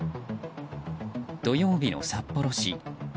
土曜日の札幌市。